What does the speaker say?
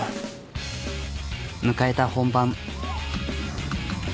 迎えた本番。